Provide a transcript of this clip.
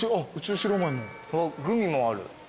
グミもある。